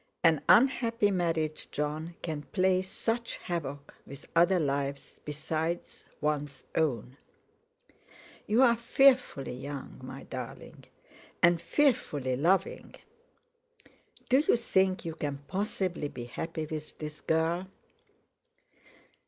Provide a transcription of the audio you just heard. An unhappy marriage, Jon, can play such havoc with other lives besides one's own. You are fearfully young, my darling, and fearfully loving. Do you think you can possibly be happy with this girl?"